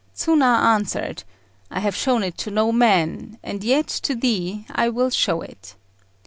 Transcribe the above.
Tsuna answered, "I have shown it to no man, and yet to thee I will show it."